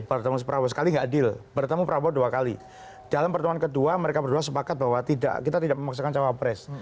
bertemu prabowo sekali tidak adil bertemu prabowo dua kali dalam pertemuan kedua mereka berdua sepakat bahwa kita tidak memaksakan cawapres